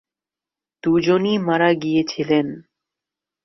দুজনই মারা গিয়েছিলেন।